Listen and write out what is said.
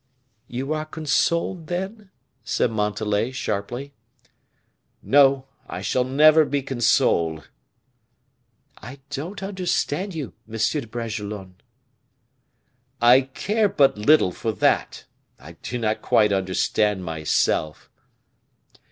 "You are consoled, then?" said Montalais, sharply. "No, I shall never be consoled." "I don't understand you, M. de Bragelonne." "I care but little for that. I do not quite understand myself."